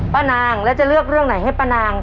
ป้านางแล้วจะเลือกเรื่องไหนให้ป้านาง